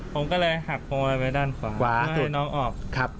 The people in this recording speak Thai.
ผมก็เลยหักมองมันไปด้านขวาขวาไม่ให้น้องออกครับ